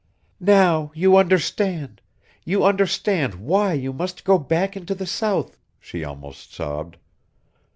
"Now you understand you understand why you must go back into the South," she almost sobbed.